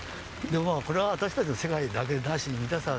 これは私たちの世界だけではなしに、皆さん